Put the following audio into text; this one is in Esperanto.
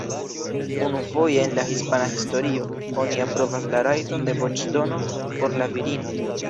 Unuafoje en la hispana historio, oni aprobas la rajton de voĉdono por la virinoj.